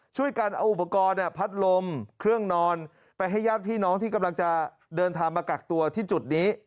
ช่วยกันเอาอุปกรณ์พัดลมเครื่องนอนไปให้ญาติพี่น้องที่กำลังจะเดินทางมากักตัวที่จุดนี้